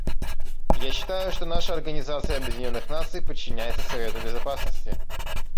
Я считаю, что наша Организация Объединенных Наций подчиняется Совету Безопасности.